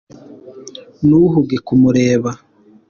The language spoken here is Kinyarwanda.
Ntuhuge kumureba